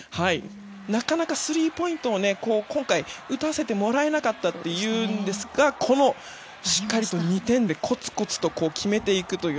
なかなかスリーポイントを今回、打たせてもらえなかったというのですがこのしっかりと２点でコツコツと決めていくという。